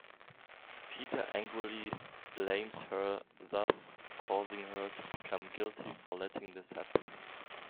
Peter angrily blames her, thus causing her to become guilty for letting this happen.